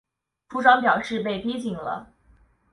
处长表示被逼紧了